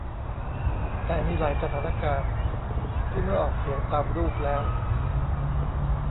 แต่มีหลายสถานการณ์ ที่เมื่อออกเสียงตามรูปแล้ว